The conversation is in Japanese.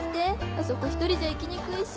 あそこ１人じゃ行きにくいし。